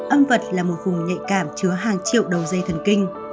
âm vật là một vùng nhạy cảm chứa hàng triệu đầu dây thần kinh